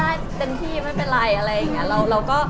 แล้วก็เรื่องว่าเรามีแน่นอนพูดได้สักอย่างเห็นเลย